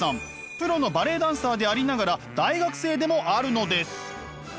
プロのバレエダンサーでありながら大学生でもあるのです。